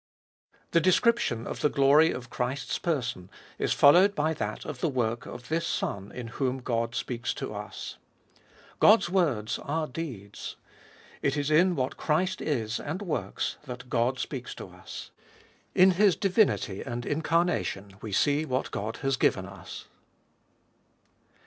THE description of the glory of Christ's person is followed by that of the work of this Son in whom God speaks to us. God's words are deeds. It is in what Christ is and works that God speaks to us. In His divinity and incarnation we see what God has given us.